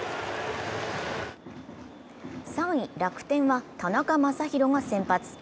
３位・楽天は田中将大が先発。